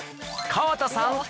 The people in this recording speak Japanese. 川田さん